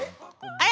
あれ？